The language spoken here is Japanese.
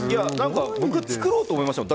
僕、作ろうと思いました。